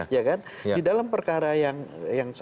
ya kan di dalam perkara yang